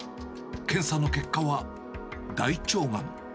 検査の結果は、大腸がん。